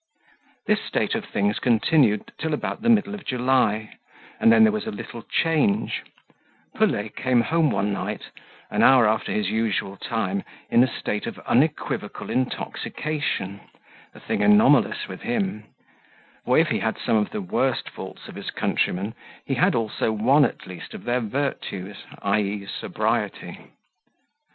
This state of things continued till about the middle of July, and then there was a little change; Pelet came home one night, an hour after his usual time, in a state of unequivocal intoxication, a thing anomalous with him; for if he had some of the worst faults of his countrymen, he had also one at least of their virtues, i.e. sobriety.